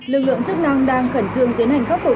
lực lượng chức năng đang khẩn trương tiến hành khắc phục